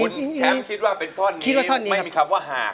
คุณแชมพ์คิดว่าเป็นท่อนนี้ไม่มีคำว่าหาก